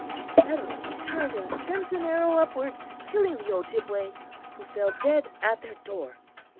Suddenly he turned and sent an arrow upward, killing the Ojibway, who fell dead at their door.